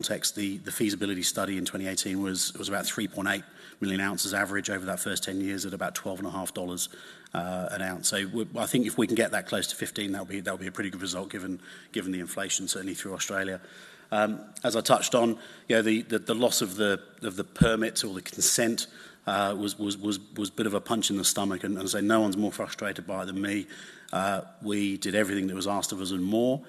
Context, the feasibility study in 2018 was about 3.8 million ounces average over that first 10 years at about 12.50 dollars an ounce. So I think if we can get that close to 15, that'll be a pretty good result given the inflation, certainly through Australia. As I touched on, the loss of the permit or the consent was a bit of a punch in the stomach, and as I say, no one's more frustrated by it than me. We did everything that was asked of us and more.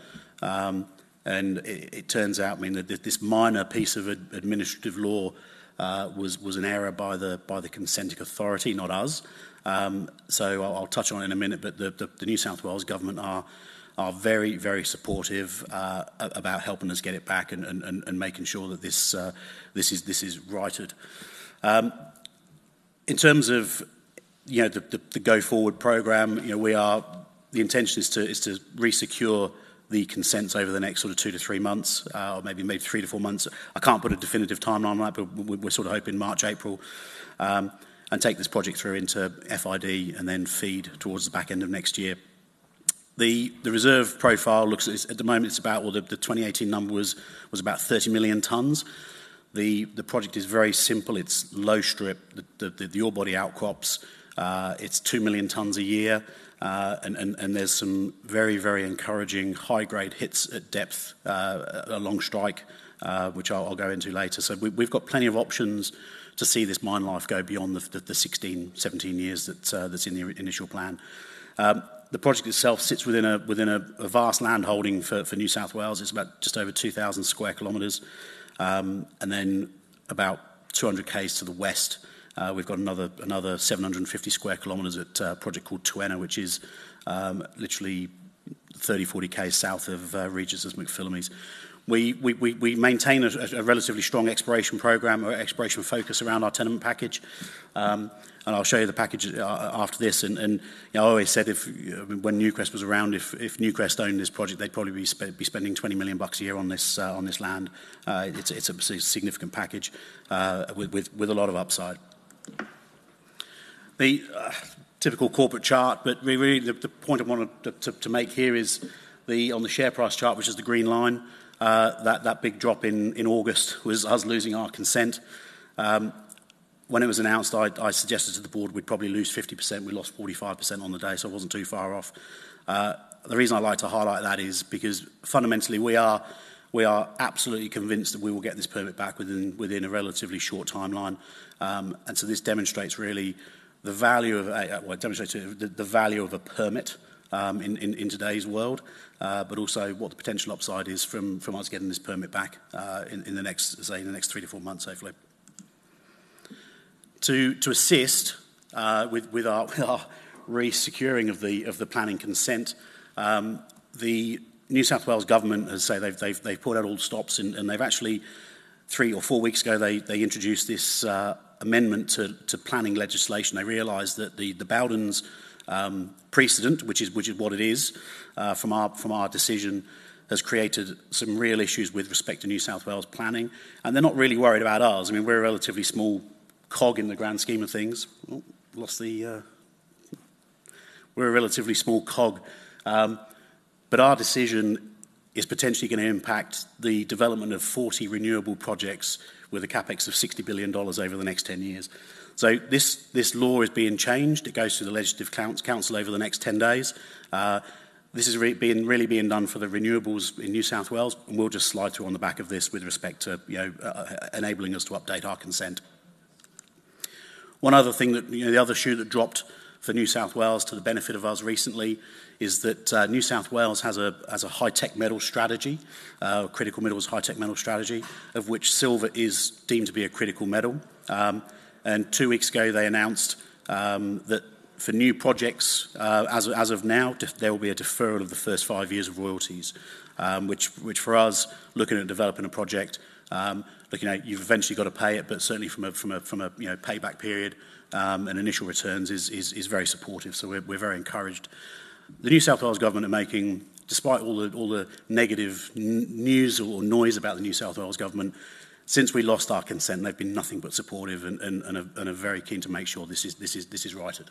And it turns out, I mean, that this minor piece of administrative law was an error by the consenting authority, not us. So I'll touch on it in a minute, but the New South Wales Government are very, very supportive about helping us get it back and making sure that this is righted. In terms of the go-forward program, the intention is to re-secure the consents over the next sort of two to three months, or maybe three to four months. I can't put a definitive timeline on that, but we're sort of hoping March, April, and take this project through into FID and then feed towards the back end of next year. The reserve profile looks at the moment, it's about, well, the 2018 number was about 30 million tons. The project is very simple. It's low strip. The ore body outcrops. It's two million tons a year. And there's some very, very encouraging high-grade hits at depth along strike, which I'll go into later. So we've got plenty of options to see this mine life go beyond the 16-17 years that's in the initial plan. The project itself sits within a vast land holding for New South Wales. It's about just over 2,000 sq. km. And then about 200 km to the west. We've got another 750 sq. km at a project called Tuena, which is literally 30-40 km south of Regis and McPhillamys. We maintain a relatively strong exploration program or exploration focus around our tenement package. And I'll show you the package after this. And I always said when Newcrest was around, if Newcrest owned this project, they'd probably be spending 20 million bucks a year on this land. It's a significant package with a lot of upside. The typical corporate chart, but really the point I want to make here is on the share price chart, which is the green line, that big drop in August was us losing our consent. When it was announced, I suggested to the board we'd probably lose 50%. We lost 45% on the day, so it wasn't too far off. The reason I like to highlight that is because fundamentally we are absolutely convinced that we will get this permit back within a relatively short timeline, and so this demonstrates really the value of a permit in today's world, but also what the potential upside is from us getting this permit back in the next three to four months, hopefully. To assist with our re-securing of the planning consent, the New South Wales Government, as I say, they've put out all stops, and actually, three or four weeks ago, they introduced this amendment to planning legislation. They realized that the Bowdens precedent, which is what it is from our decision, has created some real issues with respect to New South Wales planning, and they're not really worried about ours. I mean, we're a relatively small cog in the grand scheme of things. We're a relatively small cog. But our decision is potentially going to impact the development of 40 renewable projects with a CapEx of 60 billion dollars over the next 10 years. So this law is being changed. It goes through the Legislative Council over the next 10 days. This is really being done for the renewables in New South Wales, and we'll just slide through on the back of this with respect to enabling us to update our consent. One other thing, the other shoe that dropped for New South Wales to the benefit of us recently is that New South Wales has a high-tech metal strategy, a critical metals high-tech metal strategy, of which silver is deemed to be a critical metal. And two weeks ago, they announced that for new projects, as of now, there will be a deferral of the first five years of royalties, which for us, looking at developing a project, looking at, you've eventually got to pay it, but certainly from a payback period and initial returns is very supportive. So we're very encouraged. The New South Wales Government are making, despite all the negative news or noise about the New South Wales Government, since we lost our consent, they've been nothing but supportive and are very keen to make sure this is righted.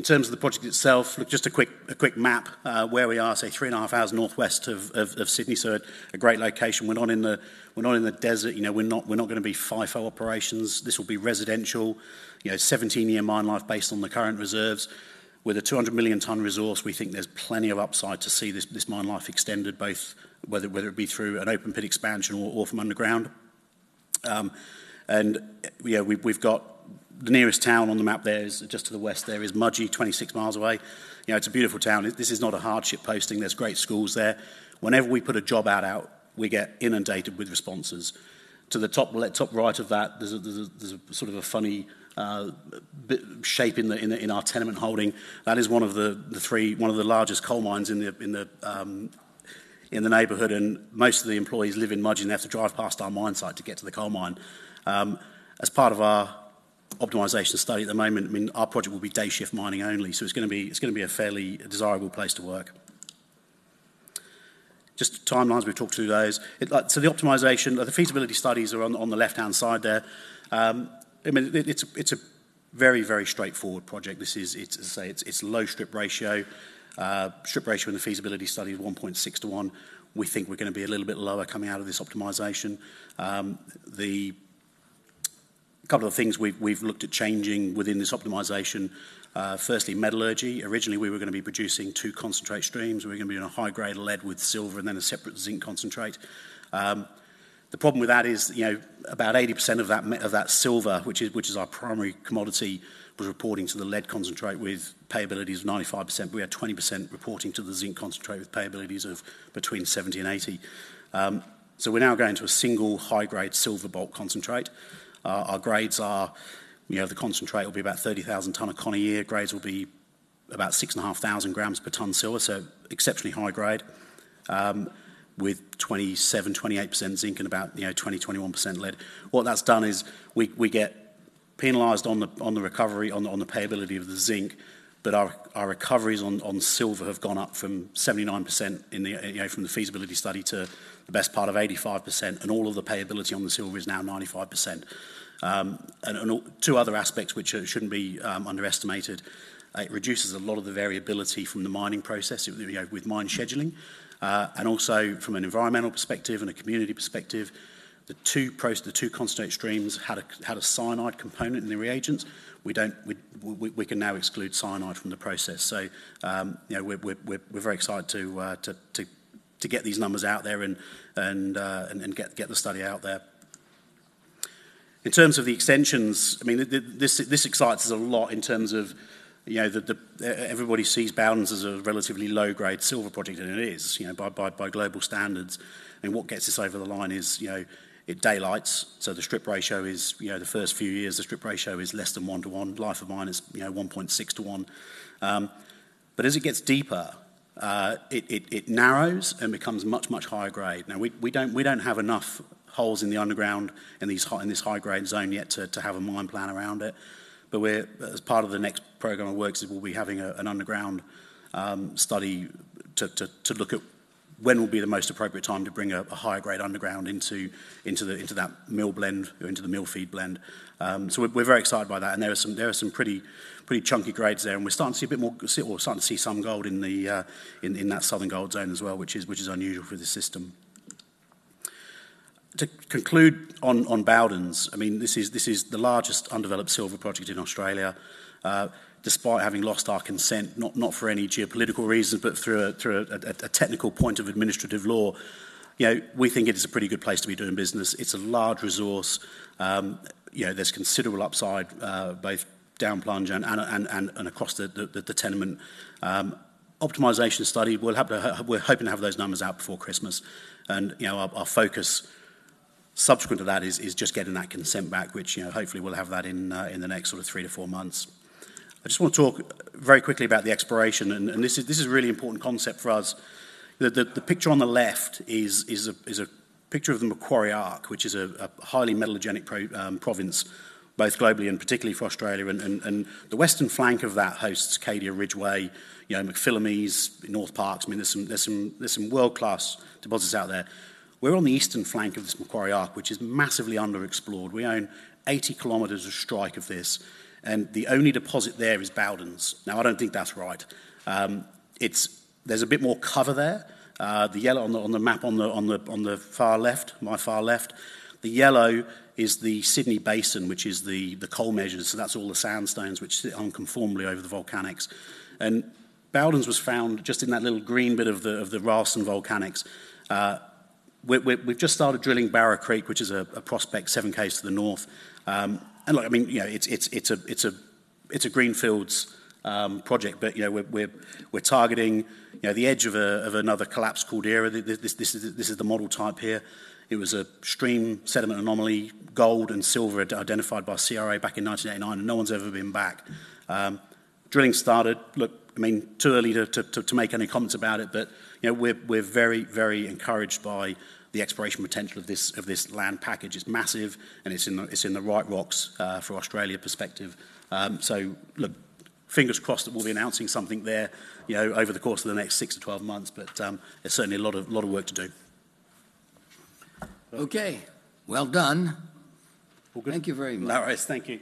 In terms of the project itself, look, just a quick map where we are, say, three and a half hours northwest of Sydney. So a great location. We're not in the desert. We're not going to be FIFO operations. This will be residential, 17-year mine life based on the current reserves. With a 200 million ton resource, we think there's plenty of upside to see this mine life extended, whether it be through an open pit expansion or from underground. We've got the nearest town on the map there, just to the west, there is Mudgee, 26 mi away. It's a beautiful town. This is not a hardship posting. There's great schools there. Whenever we put a job ad out, we get inundated with responses. To the top right of that, there's a sort of a funny shape in our tenement holding. That is one of the largest coal mines in the neighborhood. Most of the employees live in Mudgee. They have to drive past our mine site to get to the coal mine. As part of our optimization study at the moment, I mean, our project will be day shift mining only. So it's going to be a fairly desirable place to work. Just timelines, we've talked through those. So the optimization, the feasibility studies are on the left-hand side there. I mean, it's a very, very straightforward project. As I say, it's low strip ratio. Strip ratio in the feasibility study is 1.6-1. We think we're going to be a little bit lower coming out of this optimization. A couple of things we've looked at changing within this optimization. Firstly, metallurgy. Originally, we were going to be producing two concentrate streams. We were going to be doing a high-grade lead with silver and then a separate zinc concentrate. The problem with that is about 80% of that silver, which is our primary commodity, was reporting to the lead concentrate with payabilities of 95%. We had 20% reporting to the zinc concentrate with payabilities of between 70%-80%. So we're now going to a single high-grade silver bulk concentrate. Our grades are, the concentrate will be about 30,000 ton a quarter year. Grades will be about 6,500 g per ton silver, so exceptionally high grade, with 27-28% zinc and about 20-21% lead. What that's done is we get penalized on the recovery, on the payability of the zinc, but our recoveries on silver have gone up from 79% from the feasibility study to the best part of 85%. And all of the payability on the silver is now 95%. And two other aspects which shouldn't be underestimated. It reduces a lot of the variability from the mining process with mine scheduling. And also from an environmental perspective and a community perspective, the two concentrate streams had a cyanide component in the reagents. We can now exclude cyanide from the process. We're very excited to get these numbers out there and get the study out there. In terms of the extensions, I mean, this excites us a lot in terms of everybody sees Bowdens as a relatively low-grade silver project, and it is by global standards. What gets us over the line is daylight. The strip ratio is the first few years, the strip ratio is less than one-to-one. Life of mine is 1.6-1. As it gets deeper, it narrows and becomes much, much higher grade. Now, we don't have enough holes in the underground in this high-grade zone yet to have a mine plan around it. But as part of the next program of works, we'll be having an underground study to look at when will be the most appropriate time to bring a higher grade underground into that mill blend, into the mill feed blend. So we're very excited by that. And there are some pretty chunky grades there. And we're starting to see a bit more, we're starting to see some gold in that Southern Gold Zone as well, which is unusual for this system. To conclude on Bowdens, I mean, this is the largest undeveloped silver project in Australia. Despite having lost our consent, not for any geopolitical reasons, but through a technical point of administrative law, we think it is a pretty good place to be doing business. It's a large resource. There's considerable upside, both down plunge and across the tenement. Optimization study, we're hoping to have those numbers out before Christmas. And our focus subsequent to that is just getting that consent back, which hopefully we'll have that in the next sort of three to four months. I just want to talk very quickly about the exploration. And this is a really important concept for us. The picture on the left is a picture of the Macquarie Arc, which is a highly metallogenic province, both globally and particularly for Australia. And the western flank of that hosts Cadia-Ridgeway, McPhillamys, Northparkes. I mean, there's some world-class deposits out there. We're on the eastern flank of this Macquarie Arc, which is massively underexplored. We own 80 km of strike of this. And the only deposit there is Bowdens. Now, I don't think that's right. There's a bit more cover there. The yellow on the map on the far left, my far left, the yellow is the Sydney Basin, which is the coal measures. So that's all the sandstones which sit unconformably over the volcanics. And Bowdens was found just in that little green bit of the Rylstone Volcanics. We've just started drilling Barabolar, which is a prospect seven k's to the north. And look, I mean, it's a greenfields project, but we're targeting the edge of another collapsed caldera. This is the model type here. It was a stream sediment anomaly, gold and silver identified by CRA back in 1989, and no one's ever been back. Drilling started, look, I mean, too early to make any comments about it, but we're very, very encouraged by the exploration potential of this land package. It's massive, and it's in the right rocks for Australia perspective. So look, fingers crossed that we'll be announcing something there over the course of the next six to 12 months, but there's certainly a lot of work to do. Okay. Well done. Thank you very much. That was, thank you.